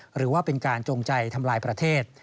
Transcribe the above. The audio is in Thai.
หรือว่าเป็นการจงใจทำลายประเทศ